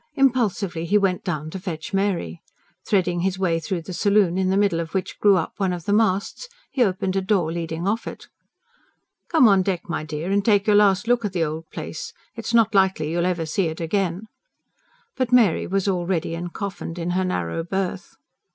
Impulsively he went down to fetch Mary. Threading his way through the saloon, in the middle of which grew up one of the masts, he opened a door leading off it. "Come on deck, my dear, and take your last look at the old place. It's not likely you'll ever see it again." But Mary was already encoffined in her narrow berth.